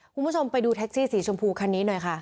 คุณผู้ชมไปดูแท็กซี่สีชมพูคันนี้หน่อยค่ะ